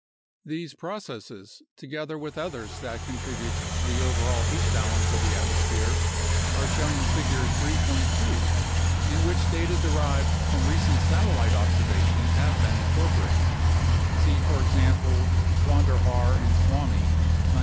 These processes, together with others that contribute to the overall heat balance of the atmosphere, are shown in Figure 3.2, in which data derived from recent satellite observations have been incorporated (see, for example, Vonder Haar and Suomi, 1971).